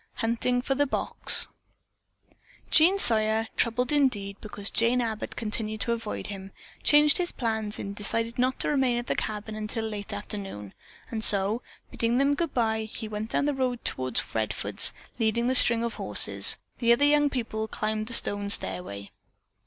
HUNTING FOR THE BOX Jean Sawyer, troubled indeed, because Jane Abbott continued to avoid him, changed his plan and decided not to remain at the cabin until late afternoon; and so, bidding them goodbye, he went down the road toward Redfords, leading the string of horses. The other young people climbed the stone stairway.